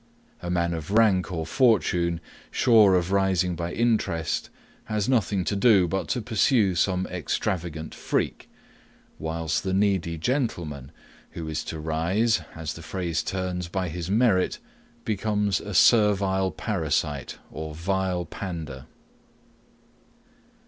A man of rank or fortune, sure of rising by interest, has nothing to do but to pursue some extravagant freak; whilst the needy GENTLEMAN, who is to rise, as the phrase turns, by his merit, becomes a servile parasite or vile pander.